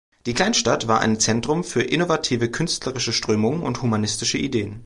Die Kleinstadt war ein Zentrum für innovative künstlerische Strömungen und humanistische Ideen.